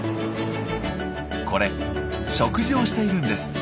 これ食事をしているんです。